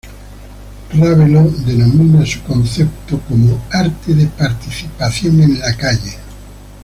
Ravelo denomina su concepto como "Arte de participación en la calle".